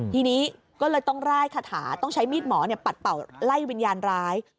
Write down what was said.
พี่หมอปัดเป่าไล่วิญญาณร้าย